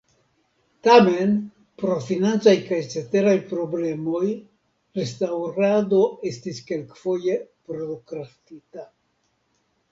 Tamen pro financaj kaj ceteraj problemoj restaŭrado estis kelkfoje prokrastita.